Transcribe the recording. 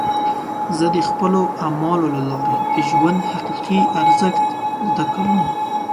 زه د خپلو اعمالو له لارې د ژوند حقیقي ارزښت زده کوم.